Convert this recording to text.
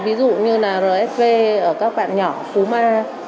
ví dụ như là rsv ở các bạn nhỏ phú ma